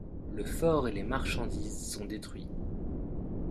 Le fort et les marchandises sont détruits.